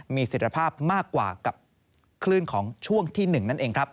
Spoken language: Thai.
มีสิทธิภาพมากกว่ากับคลื่นของช่วงที่๑นั่นเองครับ